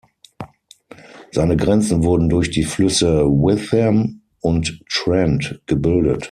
Seine Grenzen wurden durch die Flüsse Witham und Trent gebildet.